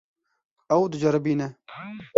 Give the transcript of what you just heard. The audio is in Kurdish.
Ew diceribîne.